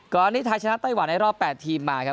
ก่อนนี้ไทยชนะไต้หวันในรอบ๘ทีมมาครับ